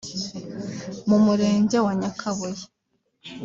mu murenge wa Nyakabuye